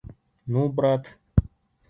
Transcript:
Ну, брат!